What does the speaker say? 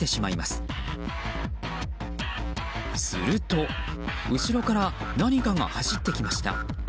すると、後ろから何かが走ってきました。